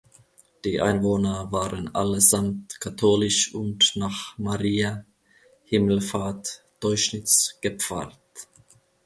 Die Einwohner waren allesamt katholisch und nach Mariä Himmelfahrt (Teuschnitz) gepfarrt.